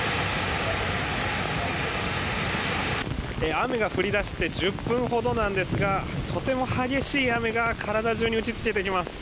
雨が降り出して１０分ほどなんですがとても激しい雨が体中に打ち付けてきます。